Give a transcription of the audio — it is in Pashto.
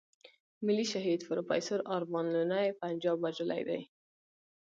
ملي شهيد پروفېسور ارمان لوڼی پنجاب وژلی دی.